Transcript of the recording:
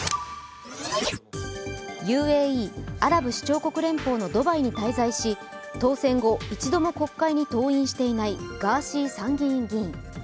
ＵＡＥ＝アラブ首長国連邦のドバイに滞在し当選後、一度も国会に登院していないガーシー参議院議員。